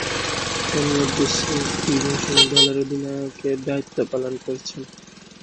তন্মধ্যে, শেষ দুই মৌসুমে দলের অধিনায়কের দায়িত্ব পালন করেছেন।